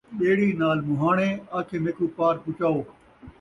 ٻیڑی ناں موہاݨے، آکھے میکوں پار پچاؤ